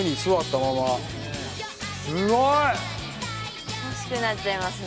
吉高：欲しくなっちゃいますね。